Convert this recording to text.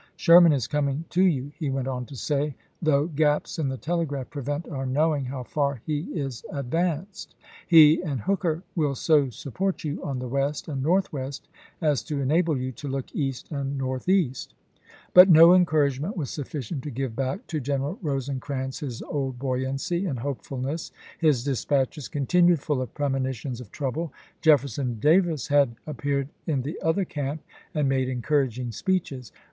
.. Sherman is coming to you," he went on to say, " though gaps in the tele graph prevent our knowing how far he is ad vanced. He and Hooker will so support you on Ro^ecraus, the wcst and northwest, as to enable you to look Oct. 12, 1863. . 1 XI i„ MS. east and northeast." But no encouragement was sufficient to give back to General Rosecrans his old buoyancy and hopefulness. His dispatches continued full of premonitions of trouble. Jefferson Davis had ap peared in the other camp and made encouraging speeches.